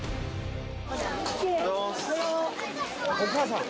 お母さん。